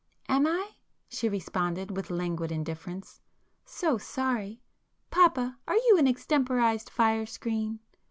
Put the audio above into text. "Am I?" she responded with languid indifference—"So sorry! Papa, are you an extemporized fire screen?"